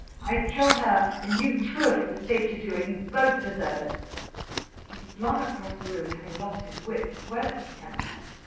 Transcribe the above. "I'd kill her and you too if it was safe to do it. You both deserve it!" He flung across the room, having lost his wits as well as his temper.